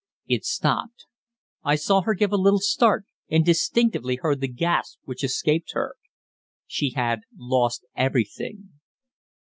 It stopped. I saw her give a little start, and distinctly heard the gasp which escaped her. She had lost everything.